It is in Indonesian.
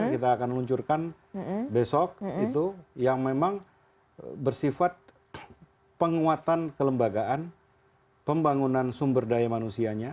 kita akan luncurkan besok itu yang memang bersifat penguatan kelembagaan pembangunan sumber daya manusianya